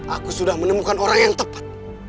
aku sudah menemukan orang yang tepat